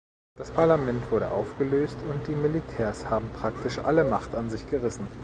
Das Parlament wurde aufgelöst, und die Militärs haben praktisch alle Macht an sich gerissen.